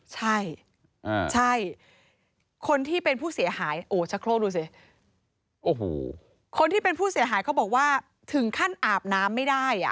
ใช่ใช่คนที่เป็นผู้เสียหายโอ้ชะโครกดูสิโอ้โหคนที่เป็นผู้เสียหายเขาบอกว่าถึงขั้นอาบน้ำไม่ได้อ่ะ